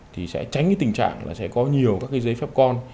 thì sẽ tránh cái tình trạng là sẽ có nhiều các cái giấy phép con